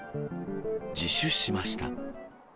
自首しました。